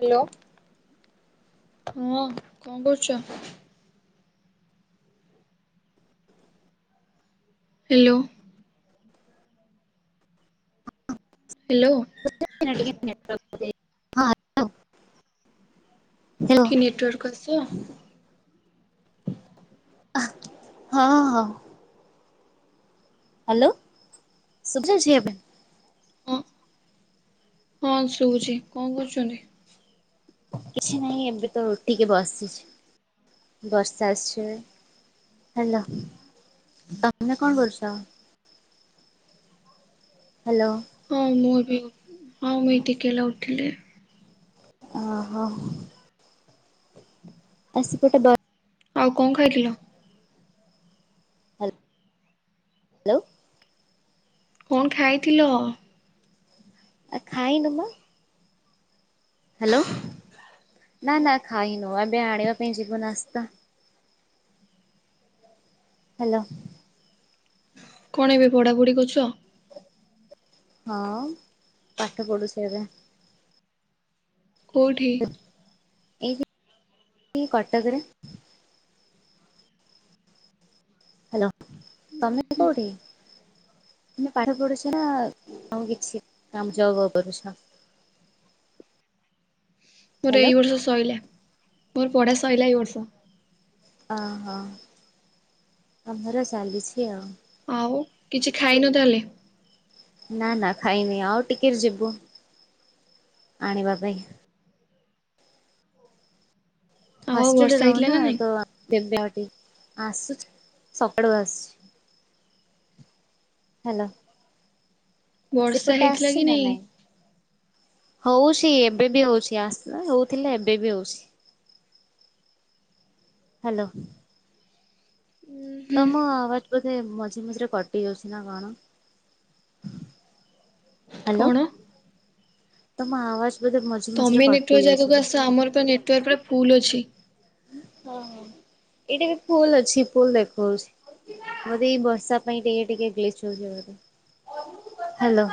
Hello, ହଁ କଣ କରୁଛ? ହ୍ୟାଲୋ। ହ୍ୟାଲୋ। [unintelligible] ହଁ ହ୍ୟାଲୋ ହ୍ୟାଲୋ ଟିକେ ନେଟୱାର୍କକୁ ଆସିବ। ହଁ ହଁ। ହ୍ୟାଲୋ, ଶୁଭୁଛି ଏବେ? ହଁ ହଁ ଶୁଭୁଛି, କଣ କରୁଛନ୍ତି? କିଛି ନାଇଁ ଏବେ ଉଠିକି ବସିଛି ବର୍ଷା ଆସୁଛି ଏବେ। ହ୍ୟାଲୋ ତମେ, କଣ କରୁଛ? ହ୍ୟାଲୋ। ହଁ ମୁଁ ବି ହଁ ମୁଁ ଏ ଟିକେ ହେଲା ଉଠିଲି। ଅହ ଆସିକି ଏଟା ଆଉ କଣ ଖାଇଥିଲ? ହ୍ୟାଲୋ। କଣ ଖାଇଥିଲ? ଆ ଖାଇନୁବା। ହ୍ୟାଲୋ। ନା ନା ଖାଇନୁ ଏବେ ଆଣିବାକୁ ପାଇଁ ଯିବୁ ନାସ୍ତା। ହ୍ୟାଲୋ। କଣ ଏବେ ପଢ଼ାପଢ଼ି କରୁଛ? ହଁ, ପାଠ ପଢ଼ୁଛି ଏବେ। କୋଉଠି? ଏଇ କଟକରେ। ହ୍ୟାଲୋ ତମେ କୋଉଠି? [unintelligible] ମୋର ହ୍ୟାଲୋ ଏଇ ବର୍ଷ ସଇଲା, ମୋର ପଢା ସଇଲା ଏଇ ବର୍ଷ। ଅହ ଆମର ଚାଲିଛି ଆଉ। ଆଉ କିଛି ଖାଇନୁ ତାହାଲେ? ନା, ନା ଖାଇନି ଆଉ ଟିକେ ଯିବୁ ଆଣିବା ପାଇଁ। ଆଉ ହଷ୍ଟେଲରେ ବର୍ଷା ହେଇଥିଲା ରହୁନା ନା ନାଇଁ? [unintelligible] ଆସୁଛି ସକାଳୁ ଆସୁଛି। ହ୍ୟାଲୋ ବର୍ଷା ସେପଟେ ହେଇଥିଲା ଆସିଛି କି ନା ନାଇଁ? ହଉଛି। ଏବେ ବି ହଉଛି ଆସ ହଉଥିଲା ଏବେ ବି ହଉଛି। ହାଲୋ। ହୁଁ ତମ ଆବାଜ ବୋଧେ ମଝି ମଝିରେ କଟି ଯାଉଛି ନା କଣ? ହାଲୋ କଣ? ତମ ଆୱାଜ ବଧେ ଭ। ତମେ ନେଟୱାର୍କ ଜାଗାକୁ ଆସ। ଆମର ପା ନେଟୱାର୍କରେ ଫୁଲ ଅଛି। ହଁ ହଁ ଏଇଟା ବି ଫୁଲ ଅଛି। ଫୁଲ ଦେଖଉଛି। ବଧେ ଏଇ ବର୍ଷା ପାଇଁ ଟିକେ ଟିକେ ଗ୍ଲିସ୍ ହଉଛି ଜାଗା ଟା। Hello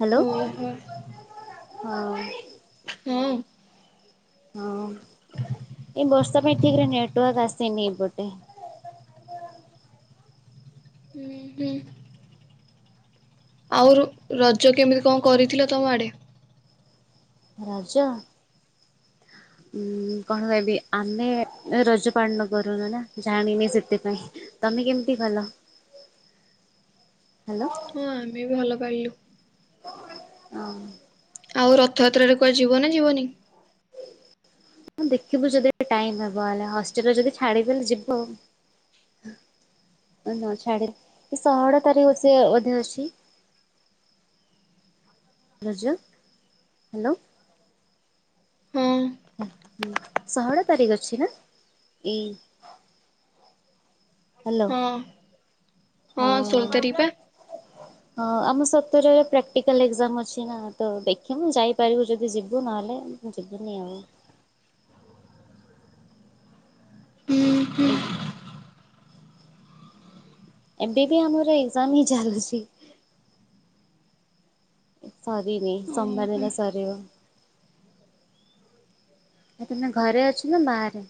hello. ଓହୋ। ହଁ। ହଁ ହଁ। ଏଇ ବର୍ଷା ପାଇଁ ଠିକ୍ ରେ ନେଟୱାର୍କ ଆସେନି ଏଇ ପଟେ। ହୁଁ ହୁଁ। ଆଉ ରଜ କେମିତି କଣ କରିଥିଲ ତମ ଆଡେ? ରାଜ। [inaudible] ଉଁ, କଣ କହିବି ଆମେ ରଜ ପାଳନ କରୁନୁ ନା ଜାଣିନି ସେଥିପାଇଁ। ତମେ କେମିତି କଲ? [inaudible] ହାଲୋ। ହଁ। ଆମେ ବି ଭଲ ପାଳିଲୁ। ହଁ। ଆଉ ରଥଯାତ୍ରାରେ କୁଆଡେ ଯିବ ନା ଯିବନି? [inaudible] ହଁ ଦେଖିବୁ ଯଦି ଟାଇମ୍ ହବ ହେଲା। ହଷ୍ଟେଲରେ ଯଦି ଛାଡିଲେ ଯିବୁ ଆଉ। [unintelligible] ଅଧେ ଅଛି [inaudible] ରାଜା ହାଲ୍ଲୋ। ହଁ ହୁଁ। ଷୋହଳ ତାରିଖ ଅଛି ନା ଏଇ। ହାଲୋ ହଁ ହଁ। [inaudible] ହଁ ଆମ ସତର ରେ ପ୍ରାକ୍ଟିକାଲ ଏକ୍ସାମ ଅଛି ନା। ତ ଦେଖିବୁ ଯାଇପାରିବୁ ଯଦି ଯିବୁ ନହେଲେ। ମୁଁ ଯିବିନି ଆଉ। ହୁଁ ହୁଁ ଏ [unintelligible] ଏବେ ବି ଆମର ଏକ୍ସାମ୍ ହିଁ ଚାଲୁଛି। ସରିନି ସୋମବାର ଓହୋ ହେଲା ସରିବ। ଆ ତମେ ଘରେ ଅଛ ନା ବାହାରେ?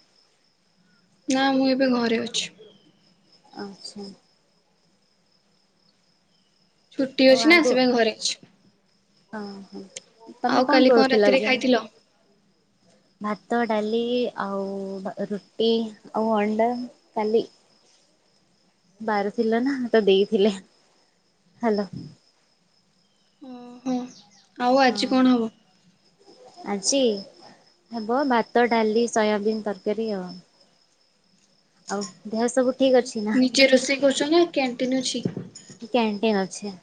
ନା ମୁଁ ଏବେ ଘରେ ଅଛି। ଆଚ୍ଛା। ଛୁଟି ଆଉ ଅଛି ନା ଆଗ ସେଥି ପାଇଁ ଘରେ ଅଛି। ହଁ ହଁ ତମେ ଆଉ କାଲି କଣ କରୁଥିଲ ରାତିରେ ଯେ? ଖାଇଥିଲ? ଭାତ ଡାଲି ଆଉ ରୁଟି ଆଉ ଅଣ୍ଡା କାଲିି ବାର ଥିଲ ନା ତ ଦେଇଥିଲେ ହଲ ହଁ ହୁଁ ହଁ ଆଜି ହେବ ଭାତ ଡାଲି ସୋୟାବିନ୍ ତରକାରୀ ଆଉ ଆଉ ଦେହ ସବୁ ଠିକ୍ ଅଛି ନା? କରୁଛନ୍ତି କ୍ୟାଣ୍ଟିନ୍ ଅଛି। କ୍ୟାଣ୍ଟନ୍ ଅଛି।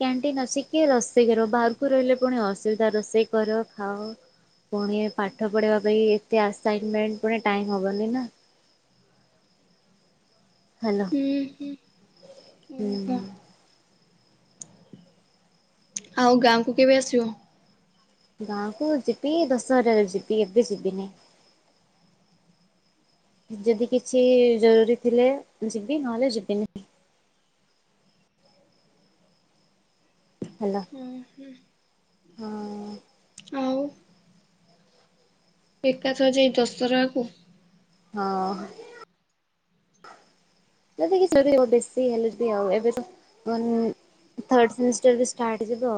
କ୍ୟାଣ୍ଟିନ୍ ଅଛି କିଏ ରୋଷେଇ କରିବ ବାହାରକୁ ରହିଲେ ପୁଣି ଅସୁବିଧା ରୋଷେଇ କର ଖାଅ ଫୁଣି ପାଠ ପଢ଼ିବା ପାଇଁ ଏତେ ଆସାଇନମେଣ୍ଟ ପୁଣି ଟାଇମ୍ ହବନି ନା। ହେନ ହୁଁ ହୁଁ ଓହୋ ହୁଁ ଆଉ ଗାଁକୁ କେବେ ଆସିବ? ଗାଁ କୁ ଯିବି ଦଶହରାରେ ଯିବି ଏବେ ଯିବିନି। ଯଦି କିଛି ଜରୁରୀ ଥିଲେ ଯିବି ନହଲେ ଯିବିନି। ହେଲୋ, ହଁ ଆଉ ଏକାଥରେ ଯାଇ ଦଶହରା କୁ ହଁ। [inaudible] ଯଦି କିି [unintelligible] ବେଶୀ ହେଲେ ଯିବି ଆଉ ଏବେ ତ ଅ ଥାର୍ଡ ସେମିଷ୍ଟାର ବି ଷ୍ଟାର୍ଟ ହେଇଯିବ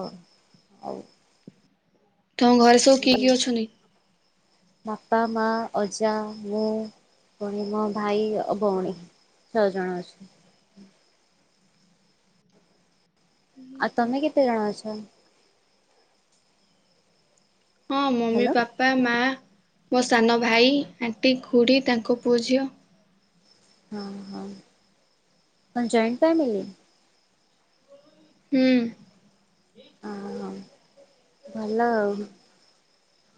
ଆଉ ତମ ଘରେ ସବୁ କିଏ ଆଉ। କିଏ ଅଛନ୍ତି? ବାପା, ମା, ଅଜା, ମୁଁ, ଭଉଣୀ, ମୋ ଭାଇ ଓ ଭଉଣୀ। ଛଅ ଜଣ ଅଛୁ। ଆଉ ତମେ କେତେ ଜଣ ଅଛ? ହଁ, ମମି, ହ୍ୟାଲୋ ବାପା, ମା, ମୋ ସାନ ଭାଇ, ଆଣ୍ଟି ଖୁଡ଼ି ତାଙ୍କ ପୁଅ ଝିଅ। ହଁ, ହଁ କଣ ଜଏଣ୍ଟ ଫ୍ୟାମିଲୀ? ହୁଁ। ହଁ ହଁ [inaudible] ଭଲ ଆଉ।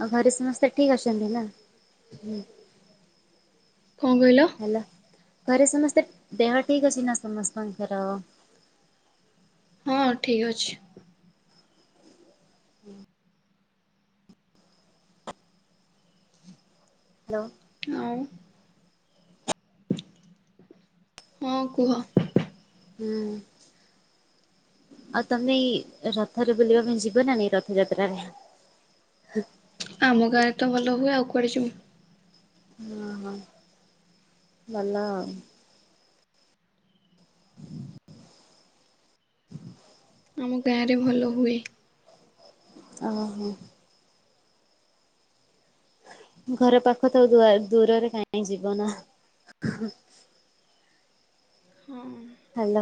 ଆଉ ଘରେ ସମସ୍ତେ ଠିକ୍ ଅଛନ୍ତି ନା? ହୁଁ। କଣ କହିଲ? ହେଲା ଘରେ ସମସ୍ତେ ଦେହ ଠିକ୍ ଅଛି ନା ସମସ୍ତଙ୍କର? ହଁ ଠିକ୍ ଅଛି। ହ୍ୟାଲୋ ଆଉ ହଁ କୁହ। ହୁଁ। ଆଉ ତମେ ଏଇ ରଥରେ ବୁଲିବା ପାଇଁ ଯିବ ନା ନାଇ ରଥଯାତ୍ରାରେ? ଆମ ଗାଁରେ ତ ଭଲ ହୁଏ ଆଉ କୁଆଡ଼େ ଯିବୁ। ଓହୋ, ଭଲ ଆଉ। [inaudible] [inaudible] ଆମ ଗାଁରେ ଭଲ ହୁଏ। ଓହୋ। ଘର ପାଖ ତ ଦୂଆ ଦୂରରେ କାହିଁ ଯିବ ନା। ହଁ। ହ୍ୟାଲୋ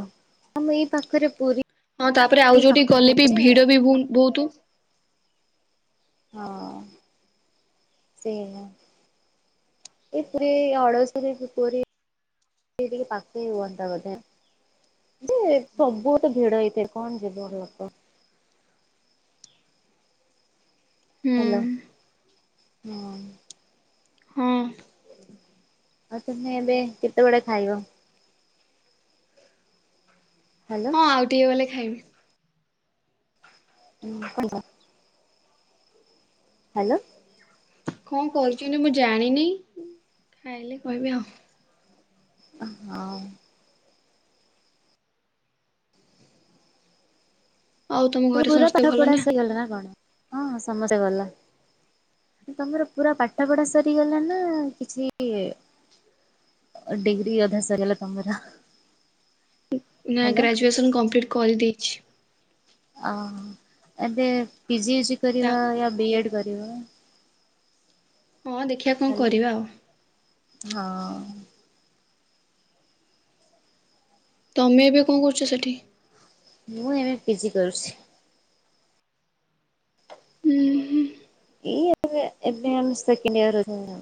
ଆ ମୁଁ ଏଇ ପାଖରେ ପୁରୀ ଏଇ ପା କଲେ ବି ଭିଡ଼ ବି ବୁ ବୁହୁତ୍। ହଁ ସେଇଆ। ଏ ପୁରୀ [unintelligible] ପୁରୀ ବି ଟିକେ ପାକେଇ ହୁଅନ୍ତା ବୋଧେ। ଯେ ସବୁ ତେ ଭିଡ଼ ହେଇଥାଏ। କଣ ଯିବର ଲୋକ ହୁଁ ହ୍ୟାଲୋ ହଁ। ହଁ। ଆଉ ତୁମେ ଏବେ କେତେବେଳେ ଖାଇବ? ହ୍ୟାଲୋ। ହଁ ଆଉ ଟିକେ ଗଲେ ଖାଇବି। [unintelligible] ହ୍ୟାଲୋ। କଣ କରୁଛନ୍ତି ମୁଁ ଜାଣିନି। ଖାଇଲେ କହିବି ଆଉ। ହଁ। ଆଉ ତମ ଘରେ ପୁରା ସମସ୍ତେ ଭଲ ପାଠପଢ଼ା ସରିଗଲା ନା କଣ? ହଁ ସମସ୍ତେ ଭଲ। ତମର ପୁରା ପାଠ ପଢ଼ା ସରିଗଲା ନା କିଛି ଡିଗ୍ରୀ ଅଧା ସାରିଲା ତମର। ନା ହ୍ୟାଲୋ। ଗ୍ରାଜୁଏସନ୍ କମ୍ପ୍ଲିଟ୍ କରିଦେଇଛି। ଓ ଏବେ ପିଜିଜି ତା କରିବା ବି ଏଡ଼୍ କରିବା? ହଁ ଦେଖିବା କଣ ହେଲା। କରିବା ଆଉ। ହଁ। ତମେ ଏବେ କଣ କରୁଛ ସେଠି? ମୁଁ ଏବେ ପିଜି କରୁଛି। ଉଁ ହୁଁ ଏଇୟ ଏବେ ଆମେ ସେକେଣ୍ଡ ୟର ନା।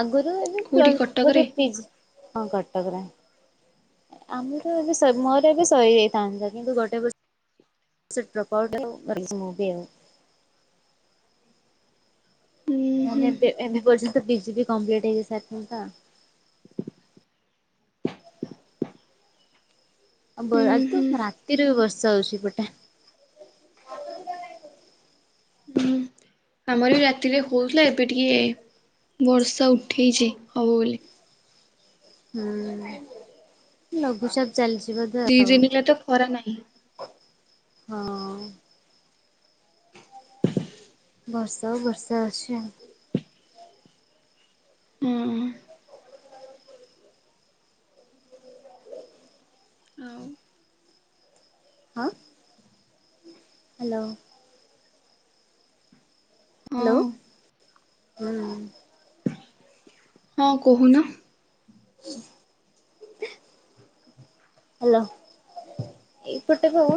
ଆଗରୁ ଏବେ କୋଉଠି କଟକରେ ବୋଧେ ପିଜି ହଁ କଟକରେ। ଆମର ଏବେ ମୋର ଏବେ ସହିଯାଇଥାନ୍ତା କିନ୍ତୁ ଗୋଟେ ବର୍ [unintelligible] ଉଁ ହୁଁ ମାନେ ଏବେ ଏବେ ପର୍ଯ୍ୟନ୍ତ ବିଜି ବି କମ୍ପ୍ଲିଟ୍ ହେଇ ସାରଯାଇଥାଆନ୍ତା। ଆ ଉଁ ତ ହୁଁ ରାତିରେ ବି ବର୍ଷା ହଉଛି ଏପଟେ। ହୁଁ ଆମର ବି ରାତିରେ ହଉଥିଲା। ଏବେ ଟିକେ ବର୍ଷା ଉଠେଇଛି ହବ ବୋଲି। ହୁଁ ଲଘୁଚାପ ଚାଲିଛିି ବୋ ଦି ଦିନି ହେଲା ତ ଖରା ନାହିଁ। ହଁ। ବର୍ଷା ବର୍ଷା ଅଛି ଆ ହୁଁ। ହଉ। ହଁ ହ୍ୟାଲୋ। ହଁ ହ୍ୟାଲୋ ହଁ। ହଁ କହୁନ। [inaudible] ହ୍ୟାଲୋ। ଏଇପଟେ ବାଉ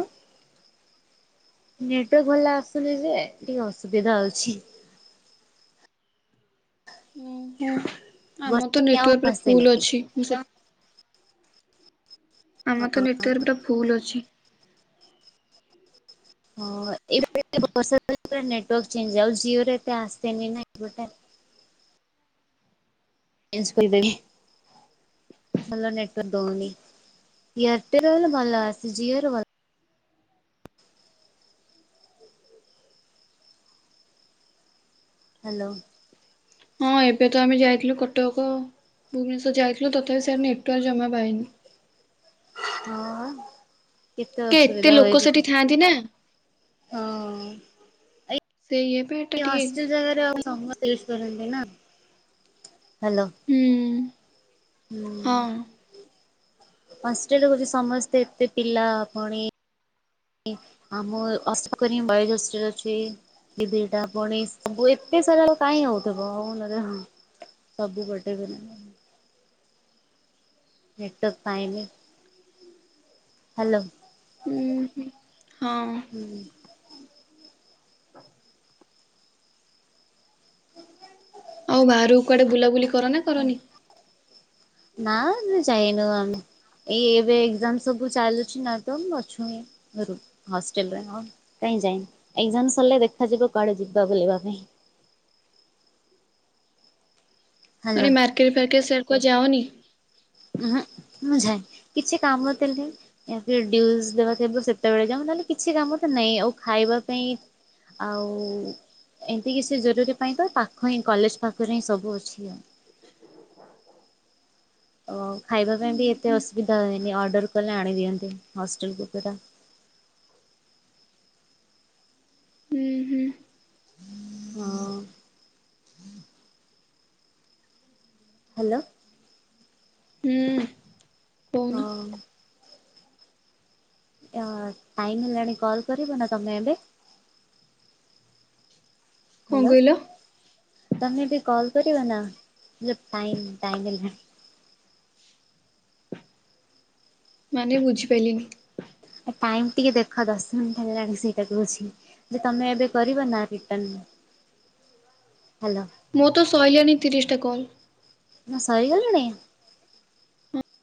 ନେଟୱାର୍କ ଭଲ ଆସୁନି ଯେ ଟିକେ ଅସୁବିଧା ଅଛି। ଆମର ତ ବର୍ଷା ଆଉ ନେଟୱାର୍କ୍ ପୁରା ଆସେନି ଫୁଲ୍ ଅଛି। ଆମର ତ ନେଟୱାର୍କ୍ ପୁରା ଫୁଲ୍ ଅଛି। ହଁ [unintelligible] ବର୍ଷ ନେଟୱାର୍କ ଚେଞ୍ଜ୍ ଯଉ ଜିଓରେ ଏତେ ଆସେନି ନା ଏପଟେ ଚେଞ୍ଜ୍ କଲି ବେଗି। ଭଲ ନେଟବର୍କ ଦଉନୀ। ଏୟରଟେଲର ଭଲ ଆସି ଜିୟର ଭଲ ହାଲୋ। ହଁ ଏବେ ତ ଆମେ ଯାଇଥିଲୁ କଟକ। ଭୁବନେଶ୍ୱର ଯାଇଥିଲୁ ତଥାପି [unintelligible] ନେଟୱାର୍କ ଜମା ପାଏନି। ହଁ କେତେ ଟିକେ ଏତେ ଅସୁବିଧା ଲୋକ ସେଠି ଏଇପଟେ। ଥାଆନ୍ତି ନା ହଁ। ସେଇ ଏବେ। ହଷ୍ଟେଲ ଜାଗା ରେ ପୁଣି ସମସ୍ତେ ମିସ୍ କରନ୍ତି ନା ହାଲୋ। ହୁଁ। ହୁଁ ହଁ ହଷ୍ଟେଲରେ ବୋଧେ ସମସ୍ତେ ଏତେ ପିଲା ପୁଣି। ଆମ [unintelligible] ବଏଜ ହଷ୍ଟେଲ ଅଛି। ନିବେଦିତା ପୁଣି ସବୁ ଏତେ ସାରା [unintelligible] କାହିଁ ହଉଥିବ ନ ଥି ହ। ସବୁ ଗୋଟେ ଦେଲେ [unintelligible] ନେଟ ପାଏନି ହାଲୋ। ଉଁ ହୁଁ ହଁ। ହୁଁ। ହ ଆଉ ବାହାରକୁ କୁଆଡେ ବୁଲାବୁଲି କର ନା କରନି? ନା ଯାଇନୁ ଆମେ। ଏଇ ଏବେ ଏକ୍ଜାମ ସବୁ ଚାଲୁଛି ନା ତ ଉଁ ଅଛୁ ହିଁ। ମେରୁ ହଷ୍ଟେଲରେ ହଁ କାହିଁ ଯାଇନି ଏକ୍ଜାମ ସରିଲେ ଦେଖାଯିବ କୁଆଡେ ଯିବା ବୁଲିବା ପାଇଁ। ମାନେ ହ୍ୟାଲୋ। ମାର୍କେଟ ଫାର୍କେଟ ସେଆ କୁଆଡ଼ ଯାଅନି। ଉଁ ହୁଁ ମୁଁ ଯାଏ କିଛି କାମ ଥିଲେ। ଏଁ [unintelligible] ଡିଉସ ଦବାକୁ ହେବ ସେତେବେଳେ ଯାଉ ନହେଲେ କିଛି କାମ ତ ନାଇଁ ଆଉ ଖାଇବା ପାଇଁ। ଆଉ ଏମିତି କି ସେ ଜରୁରୀ ପାଇଁ ତ ପାଖ ହିଁ କଲେଜ ପାଖରେ ହିଁ ସବୁ ଅଛି ଆଉ। ଓ ଖାଇବା ପାଇଁ ବି ଏତେ ଅସୁବିଧା ହୁଏନି ଅର୍ଡର କଲେ ଆଣିଦିଅନ୍ତି ହଷ୍ଟେଲକୁ ବୁଫେ ଟା। ହୁଁ ହୁଁ। ହଁ। ହାଲୋ। ହୁଁ। କହୁନ ହଁ। ଏ ଅ ଟାଇମ ହେଲାଣି କଲ କରିବ ନା ତମେ ଏବେ? କଣ ହାଲୋ କହିଲ? ତମେ ଏବେ କଲ୍ କରିବ ନା ଯୋ ଟାଇମ ଟାଇମ ହେଲା ମାନେ ବୁଝିପାରିଲିନି। ଆ ଟାଇମ ଟିକେ ଦେଖ ଦଶ ମିନିଟ ହେଲାଣି ସେଇଟା କହୁଛି। ଯେ ତମେ ଏବେ କରିବ ନା ରିଟର୍ନ ହାଲୋ। ମୋର ତ ସଇଲାଣି ତିରିଶ ଟା କଲ। ନ ସାରି ଗଲାଣି।